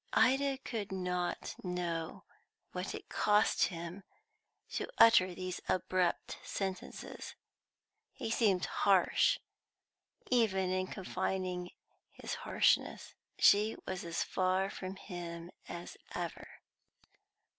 Ida could not know what it cost him to utter these abrupt sentences. He seemed harsh, even in confining his harshness. She was as far from him as ever.